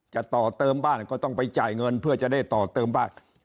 จะต่อเติมบ้านก็ต้องไปจ่ายเงินเพื่อจะได้ต่อเติมบ้าน